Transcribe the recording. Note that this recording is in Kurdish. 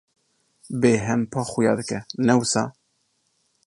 Bêhempa xuya dike, ne wisa?